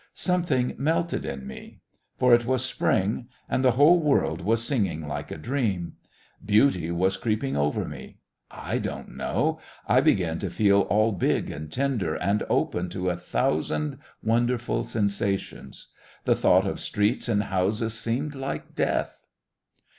Something melted in me. For it was Spring, and the whole world was singing like a dream. Beauty was creeping over me. I don't know. I began to feel all big and tender and open to a thousand wonderful sensations. The thought of streets and houses seemed like death....